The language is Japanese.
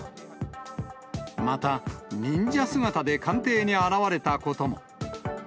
また、忍者姿で官邸に現れたことも。